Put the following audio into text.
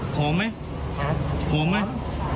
หอมไหมหอมไหม